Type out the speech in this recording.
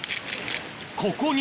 ここに